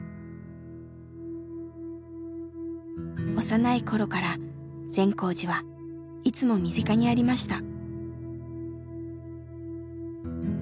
幼い頃から善光寺はいつも身近にありました。